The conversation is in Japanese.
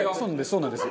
そうなんです。